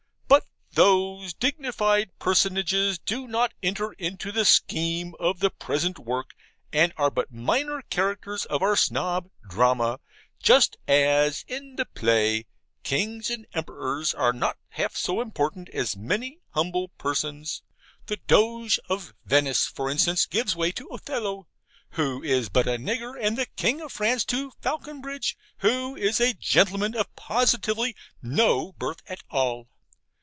But those dignified personages do not enter into the scheme of the present work, and are but minor characters of our Snob drama; just as, in the play, kings and emperors are not half so important as many humble persons. The DOGE OF VENICE, for instance, gives way to OTHELLO, who is but a nigger; and the KING OF FRANCE to FALCONBRIDGE, who is a gentleman of positively no birth at all.